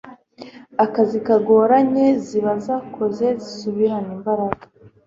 akazi kagoranye ziba zakoze zisubirane imbaraga